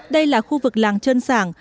đây là khu vực làng trơn sảng